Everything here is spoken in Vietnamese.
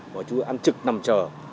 mọi chú ăn trực nằm chờ